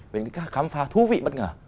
về những cái khám phá thú vị bất ngờ